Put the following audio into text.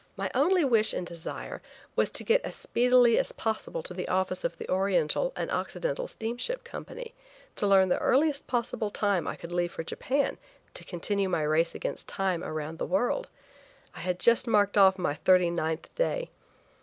My only wish and desire was to get as speedily as possible to the office of the Oriental and Occidental Steamship Company to learn the earliest possible time I could leave for Japan, to continue my race against time around the world. I had just marked off my thirty ninth day.